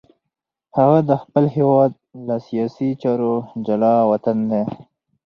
هغه د خپل هېواد له سیاسي چارو جلاوطن دی.